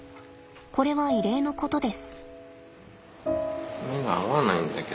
これは異例のことです。